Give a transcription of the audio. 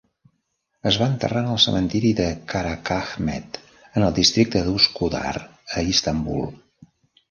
Es va enterrar en el cementiri de Karacaahmet en el districte de Üsküdar a Istanbul.